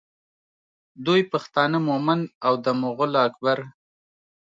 دوی پښتانه مومند او د مغول اکبر